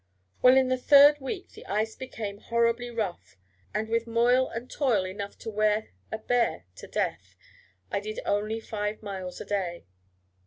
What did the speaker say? Well, in the third week the ice became horribly rough, and with moil and toil enough to wear a bear to death, I did only five miles a day.